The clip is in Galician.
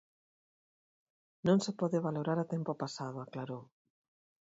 "Non se pode valorar a tempo pasado", aclarou.